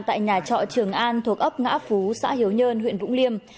tại nhà trọ trường an thuộc ấp ngã phú xã hiếu nhơn huyện vũng liêm